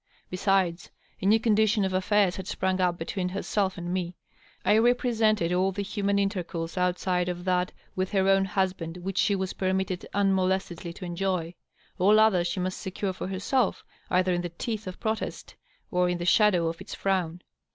Besides, a new condition of affairs had sprung up between herself and me. I represented all the human intercourse outside of that with her own husbwid which she was permitted unmolestedly to enjoy. All other she must secure for herself, either in the teeth of protest or in the shadow of its frown.